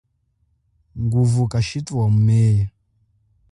Nguvu kashithu wa mumeya.